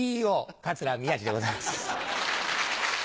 桂宮治でございます。